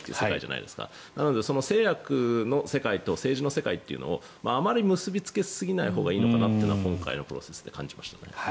なので製薬の世界と政治の世界というのをあまり結びつけすぎないほうがいいのかなというのは今回のプロセスで感じました。